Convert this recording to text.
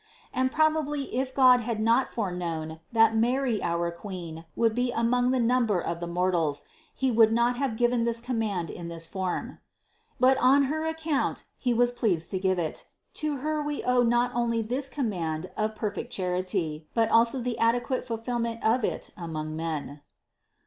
And probably if God had not foreknown that Mary our Queen would be among the number of the mortals, He would not have given this command in this form. But on Her account He was pleased to give it; to Her we owe not only this command of perfect charity, but also the adequate fulfill ment of it among men.